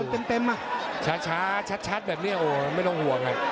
โอ้โหโดนเต็มโอ๊ะชาแบบนี้โอ้โหไม่ต้องห่วง